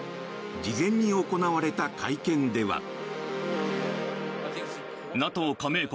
事前に行われた会見では。